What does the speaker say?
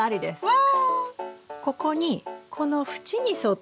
わ！